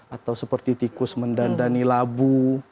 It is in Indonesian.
atau seperti tikus mendandani labu